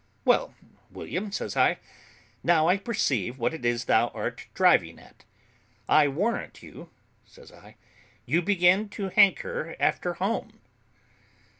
"Well, William," says I, "now I perceive what it is thou art driving at. I warrant you," says I, "you begin to hanker after home."